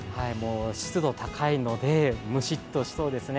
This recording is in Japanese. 湿度高いので、ムシッとしそうですね。